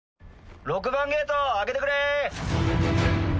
６番ゲート開けてくれ。